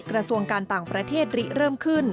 กระทรวงการต่างประเทศริเริ่มขึ้น